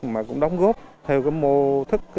mà cũng đóng góp theo cái mô thức